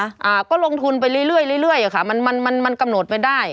อ่าก็ลงทุนไปเรื่อยค่ะมันกำหนดไม่ได้